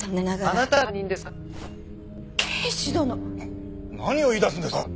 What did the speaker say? な何を言い出すんですか？